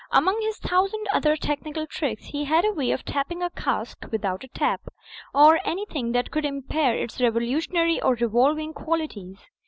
Among his thousand other technical tricks he had a way of tapping a cask without a tap, or anything that could impair its revolutionary or revolving qualities.